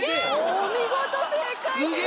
お見事正解です！